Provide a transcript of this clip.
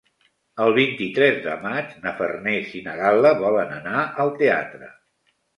El vint-i-tres de maig na Farners i na Gal·la volen anar al teatre.